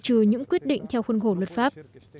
ông không loại trừ những quyết định theo khuôn hồn luật pháp